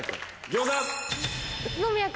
餃子！